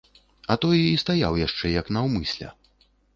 А той і стаяў яшчэ, як наўмысля.